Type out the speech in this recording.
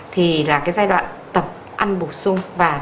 thì là cái giai đoạn tập ăn bột sung